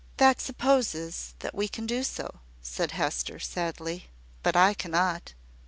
"That supposes that we can do so," said Hester, sadly. "But I cannot.